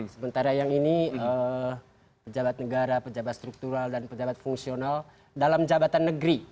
sementara yang ini pejabat negara pejabat struktural dan pejabat fungsional dalam jabatan negeri